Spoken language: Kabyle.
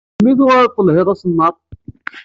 Melmi i ttuɣed telhid asennaṭ?